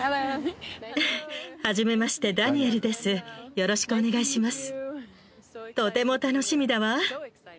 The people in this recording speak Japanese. よろしくお願いします。